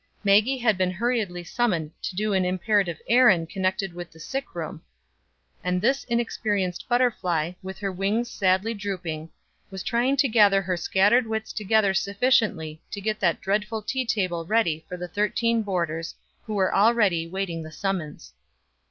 Maggie had been hurriedly summoned to do an imperative errand connected with the sick room; and this inexperienced butterfly, with her wings sadly drooping, was trying to gather her scattered wits together sufficiently to get that dreadful tea table ready for the thirteen boarders who were already waiting the summons.